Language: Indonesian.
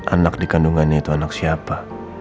anak dikandungannya itu anak siapa